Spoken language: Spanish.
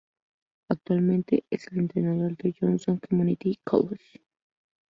Actualmente es el entrenador del Johnston Community College.